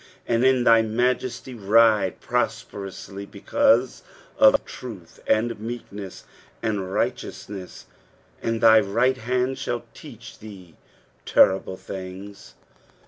4 And in thy majesty ride prosperously because of truth and meekness and righteousness ; and thy right hand shall teach thee terrible things.